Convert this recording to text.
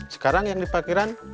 sekarang yang di pakiran